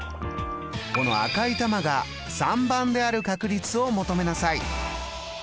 この赤い玉が３番である確率を求めなさい。